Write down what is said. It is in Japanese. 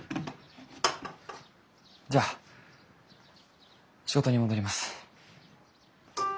じゃあ仕事に戻ります。